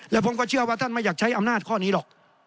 และผมก็เชื่อว่าท่านไม่อยากใช้อำนาจข้อนี้หรอก